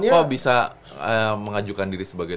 kok bisa mengajukan diri sebagai